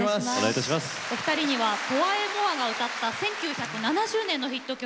お二人にはトワ・エ・モワが歌った１９７０年のヒット曲